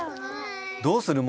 どうする？